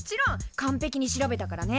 かんぺきに調べたからね。